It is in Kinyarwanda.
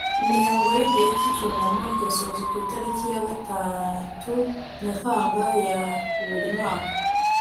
imihango y'igihe cy'icyunamo igasozwa ku itariki ya gatatu nyakanga ya buri mwaka